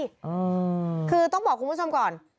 อืมคือต้องบอกคุณผู้ชมก่อน